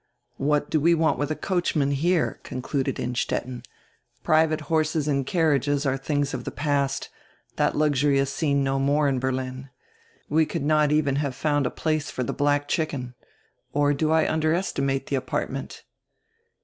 "What do we want widi a coachman here?" concluded Innstetten, "private horses and carriages are tilings of the past; that luxury is seen no more in Berlin. We could not even have found a place for die black chicken. Or do I underestimate die apartment?"